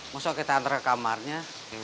masukin ke kamarnya